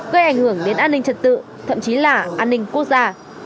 gây ảnh hưởng đến an ninh trật tự thậm chí là an ninh quốc gia